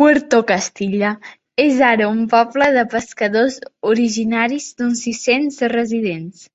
Puerto Castilla és ara un poble de pescadors originaris d'uns sis-cents residents.